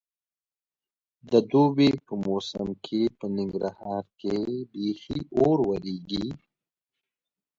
د دوبي په موسم کې په ننګرهار کې بیخي اور ورېږي.